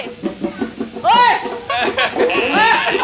เธอท่าไหน